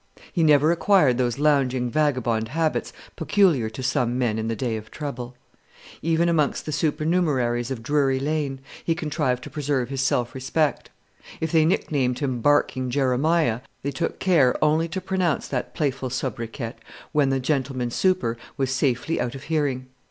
He never acquired those lounging vagabond habits peculiar to some men in the day of trouble. Even amongst the supernumeraries of Drury Lane, he contrived to preserve his self respect; if they nicknamed him Barking Jeremiah, they took care only to pronounce that playful sobriquet when the gentleman super was safely out of hearing.